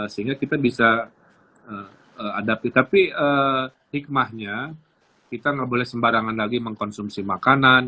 sehingga kita bisa hadapi tapi hikmahnya kita nggak boleh sembarangan lagi mengkonsumsi makanan